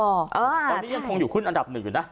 ตอนนี้ยังคงอยู่ขึ้นอันดับหนึ่งอยู่นะ